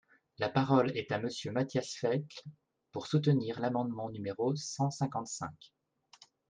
La parole est à Monsieur Matthias Fekl, pour soutenir l’amendement numéro cent cinquante-cinq.